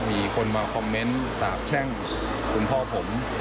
มีคนมาคอมเมนต์สาบแช่งคุณพ่อผม